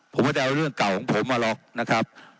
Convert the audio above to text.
ผมไม่ได้เอาเรื่องเก่าของผมมาหรอกนะครับ